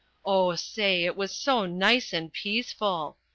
Oh, say, it was so nice and peaceful!